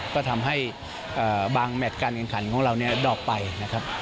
ก็ทำให้บางแมทการแข่งขันของเราเนี่ยดอบไปนะครับ